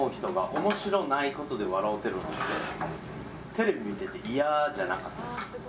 テレビ見てて嫌じゃなかったですか？